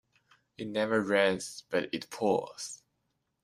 It never rains but it pours.